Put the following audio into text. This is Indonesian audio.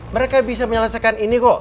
mereka bisa menyelesaikan ini kok